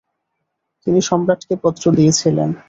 তিনি সম্রাটকে পত্র দিয়েছিলেন।